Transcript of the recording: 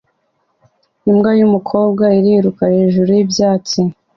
Imbwa yumukobwa iriruka hejuru yibyatsi